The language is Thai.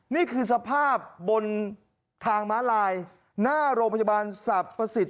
นี่คือสภาพบนทางม้าลายหน้าโรงพยาบาลสรรพสิทธิ